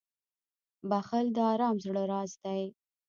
• بښل د ارام زړه راز دی.